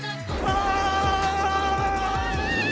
ああ！